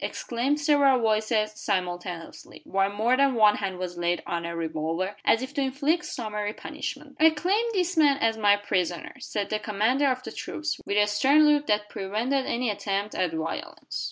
exclaimed several voices simultaneously; while more than one hand was laid on a revolver, as if to inflict summary punishment. "I claim this man as my prisoner," said the commander of the troops, with a stern look that prevented any attempt at violence.